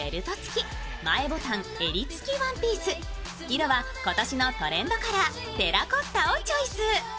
色は今年のトレンドカラー、テラコッタをチョイス。